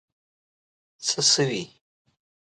څه شوي.